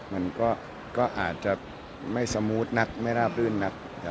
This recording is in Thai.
มันก็อาจจะไม่สมูทนักไม่ราบรื่นนัก